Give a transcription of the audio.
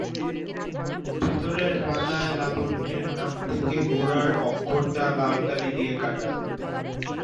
ভিতরের পাতায় লাবণ্যর নাম থেকে গোড়ার অক্ষরটা লাল কালি দিয়ে কাটা।